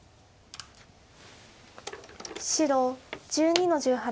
白１２の十八。